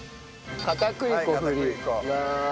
片栗粉振ります。